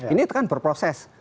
ini kan berproses